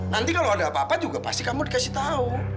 nanti kalau ada apa apa juga pasti kamu dikasih tahu